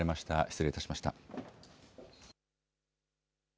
失礼いたしました。